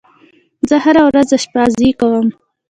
زه هره ورځ آشپزی کوم.